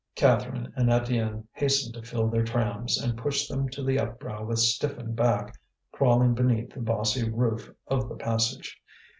Catherine and Étienne hastened to fill their trams, and pushed them to the upbrow with stiffened back, crawling beneath the bossy roof of the passage.